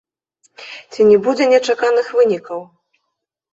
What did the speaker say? Ці не будзе нечаканых вынікаў?